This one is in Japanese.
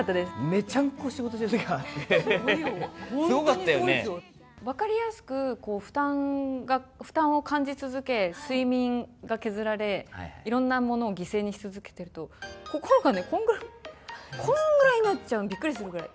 めちゃんこ仕事してるときが分かりやすく負担を感じ続け、睡眠が削られ、いろんなものを犠牲にし続けていると、心がね、こんぐらい、こんぐらいになっちゃう、びっくりするぐらい。